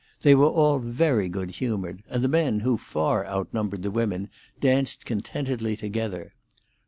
They were all very good humoured; the men, who far outnumbered the women, danced contentedly together.